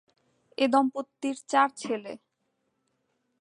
এ দম্পতির চার ছেলে।